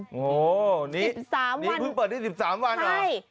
โอ้โหนี่เพิ่งเปิดได้๑๓วันเหรอ